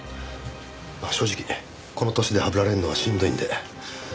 正直この年でハブられるのはしんどいんで。